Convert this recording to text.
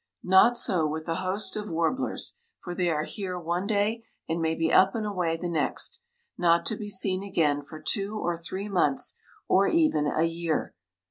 Not so with the host of warblers, for they are here one day and may be up and away the next, not to be seen again for two or three months or even a year.